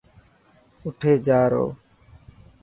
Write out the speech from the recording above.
اُٺي جا رو.